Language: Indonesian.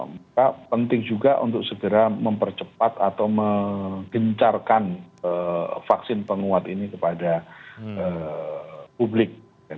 maka penting juga untuk segera mempercepat atau menggencarkan vaksin penguat ini kepada publik